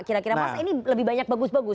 kira kira masa ini lebih banyak bagus bagus